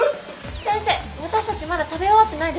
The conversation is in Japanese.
先生私たちまだ食べ終わってないです。